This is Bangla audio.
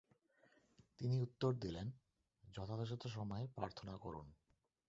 তিনি উত্তর দিলেন, 'যথাযথ সময়ে প্রার্থনা করুন।'